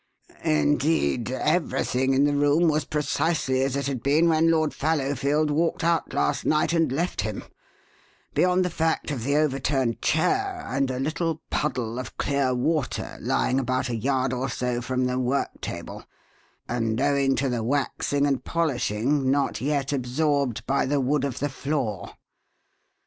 Indeed, everything in the room was precisely as it had been when Lord Fallowfield walked out last night and left him, beyond the fact of the overturned chair and a little puddle of clear water lying about a yard or so from the work table and, owing to the waxing and polishing, not yet absorbed by the wood of the floor.